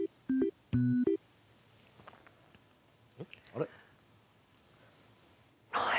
・あれ？